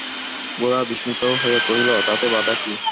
গোরা বিস্মিত হইয়া কহিল, তাতে বাধা কী?